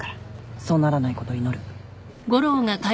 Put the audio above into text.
そうならないことを祈る。